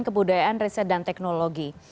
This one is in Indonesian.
kebudayaan risa dan teknologi